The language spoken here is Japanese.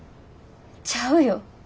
ちゃうよ。